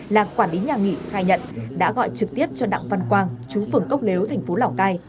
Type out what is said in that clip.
là quản lý nhà nghỉ khai nhận đã gọi trực tiếp cho đặng văn quang chú phường cốc lếu tp lào cai